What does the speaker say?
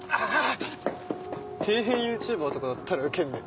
底辺ＹｏｕＴｕｂｅｒとかだったらウケるね。